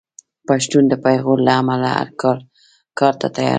پښتون د پېغور له امله هر کار ته تیار دی.